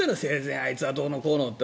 あいつはどうのこうのって。